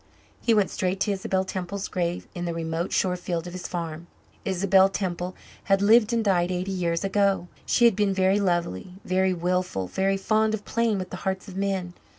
He went straight to Isabel Temple's grave in the remote shore field of his farm. Isabel Temple had lived and died eighty years ago. She had been very lovely, very wilful, very fond of playing with the hearts of men.